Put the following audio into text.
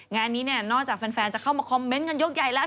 งานนี้เนี่ยนอกจากแฟนจะเข้ามาคอมเมนต์กันยกใหญ่แล้ว